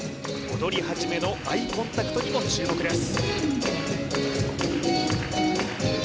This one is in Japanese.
踊り始めのアイコンタクトにも注目です